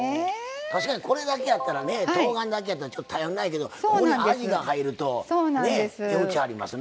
確かにこれだけやったらねとうがんだけやったらちょっと頼んないけどここにあじが入ると値打ちありますな。